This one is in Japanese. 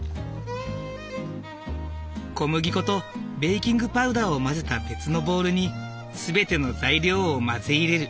小麦粉とベーキングパウダーを混ぜた別のボウルに全ての材料を混ぜ入れる。